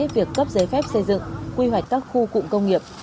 việc cấp giấy phép xây dựng quy hoạch các khu cụm công nghiệp